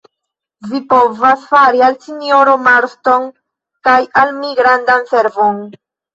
Vi povas fari al sinjoro Marston kaj al mi grandan servon.